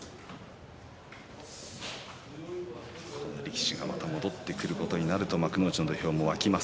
この力士が戻ってくるとなるとまた幕内の土俵も沸きます。